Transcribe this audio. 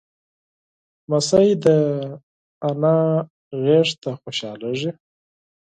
لمسی د نیا غېږ ته خوشحالېږي.